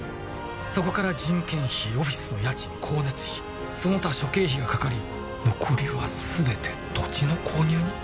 そこから人件費オフィスの家賃光熱費その他諸経費がかかり残りは全て土地の購入に？